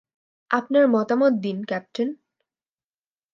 আপনার মতামত দিন, ক্যাপ্টেন।